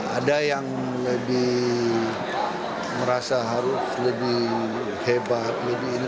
ada yang lebih merasa harus lebih hebat lebih ini